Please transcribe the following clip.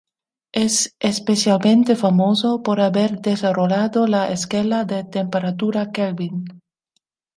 Es especialmente famoso por haber desarrollado la escala de temperatura Kelvin.